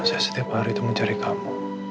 saya setiap hari itu mencari kamu